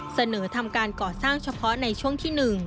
เสนอทำการก่อสร้างเฉพาะในช่วงที่๑